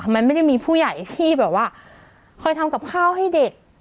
มันไม่ได้มีผู้ใหญ่ที่แบบว่าคอยทำกับข้าวให้เด็ก